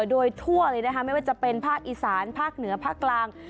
โดยทั่วเลยนะคะไม่ว่าจะเป็นภาคอีสานภาคเหนือภาคกลาง